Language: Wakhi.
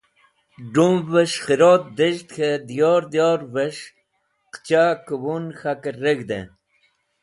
D̃umvẽs̃h khẽrod dez̃hd k̃hẽ diyor diyorvẽs̃h qẽcha kẽbun k̃hakẽr reg̃hdẽ